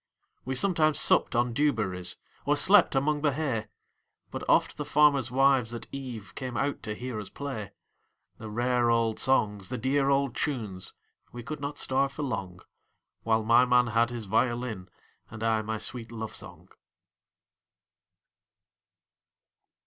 We sometimes supped on dew berries, Or slept among the hay, But oft the farmers' wives at eveCame out to hear us play; The rare old songs, the dear old tunes,—We could not starve for longWhile my man had his violin, And I my sweet love song.